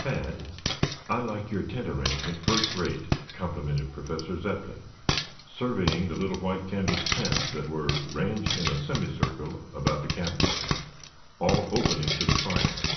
"Tad, I like your tent arrangement first rate," complimented Professor Zepplin surveying the little white canvas tents that were ranged in a semicircle about the campfire, all opening to the fire.